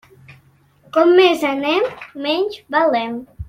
Com més anem, menys valem.